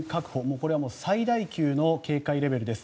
これは最大級の警戒レベルです。